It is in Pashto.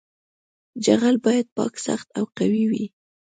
جغل باید پاک سخت او قوي وي